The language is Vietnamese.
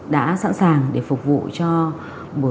đã sẵn sàng để phục vụ cho bộ y tế